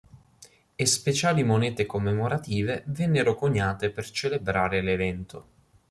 E speciali monete commemorative vennero coniate per celebrare l'evento.